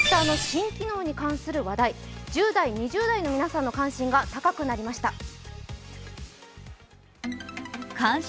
Ｔｗｉｔｔｅｒの新機能に関する話題、１０代２０代の皆さんの関心が高くなりました。